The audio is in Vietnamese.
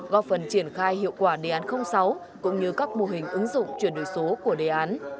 góp phần triển khai hiệu quả đề án sáu cũng như các mô hình ứng dụng chuyển đổi số của đề án